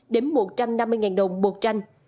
đến một trăm năm mươi đồng một tranh